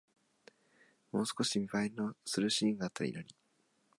もう少し見栄えのするシーンがあったらいいのに